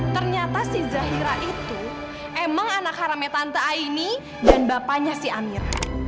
ternyata si zahira itu emang anak haramnya tante aini dan bapanya si amir